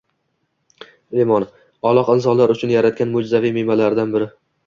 Limon – Alloh insonlar uchun yaratgan mo‘’jizaviy mevalardan biri.